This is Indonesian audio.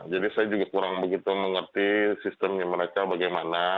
jadi saya juga kurang begitu mengerti sistemnya mereka bagaimana